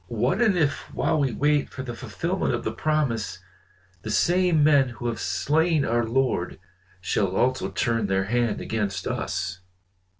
"What and if while we wait for the fulfilment of the promise, the same men who have slain our Lord shall also turn their hand against us?